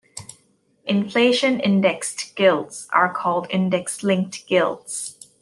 Inflation-indexed gilts are called "Index-linked gilts".